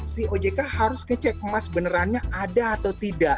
si ojk harus kecek emas benerannya ada atau tidak